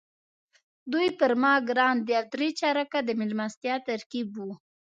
دوی پر ما ګران دي او درې چارکه د میلمستیا ترکیب وو.